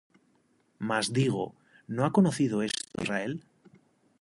Mas digo: ¿No ha conocido esto Israel?